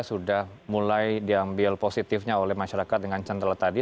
sudah mulai diambil positifnya oleh masyarakat dengan centella tadi